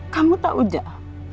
kamu tau gak